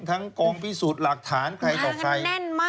ทั้งกองพิสูจน์หลักฐานใครต่อใคร